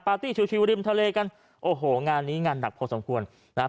ตี้ชิวริมทะเลกันโอ้โหงานนี้งานหนักพอสมควรนะฮะ